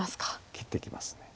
切ってきます。